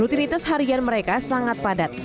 rutinitas harian mereka sangat padat